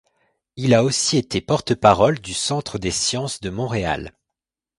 Il a aussi été porte-parole du Centre des sciences de Montréal.